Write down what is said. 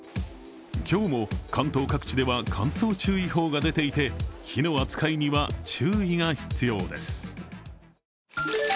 今日も関東各地では乾燥注意報が出ていて、火の扱いには注意が必要です。